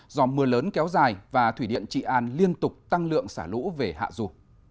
do mưa lớn kéo dài và thủy điện trị an liên tục tăng lượng xả lũ về hạ dù